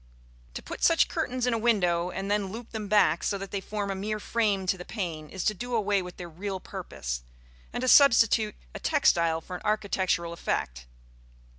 To put such curtains in a window, and then loop them back so that they form a mere frame to the pane, is to do away with their real purpose, and to substitute a textile for an architectural effect.